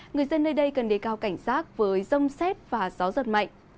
người dân nơi đây cần đề cao cảnh giác với rông xét và gió giật mạnh